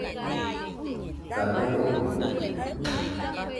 Café kokuita.